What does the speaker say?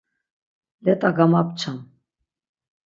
Leta gamapçam.